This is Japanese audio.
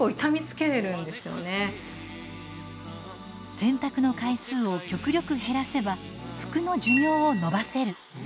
洗濯の回数を極力減らせば服の寿命を延ばせる。